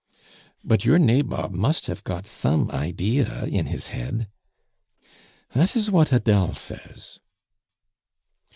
"But your nabob must have got some idea in his head." "That is what Adele says."